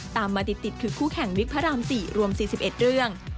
ตามมาติดคือคู่แข่งวิกพระราม๔รวม๔๑เรื่อง